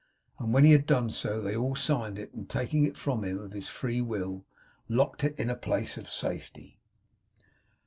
And when he had done so, they all signed it, and taking it from him, of his free will, locked it in a place of safety.